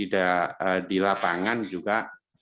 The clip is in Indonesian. di lapangan juga